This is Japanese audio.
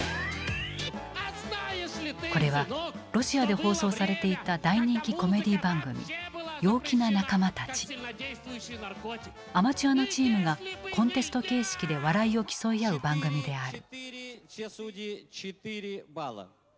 これはロシアで放送されていた大人気コメディー番組アマチュアのチームがコンテスト形式で笑いを競い合う番組である。